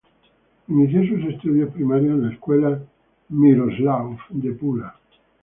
Inició sus estudios primarios en la escuela Miroslav de Pula.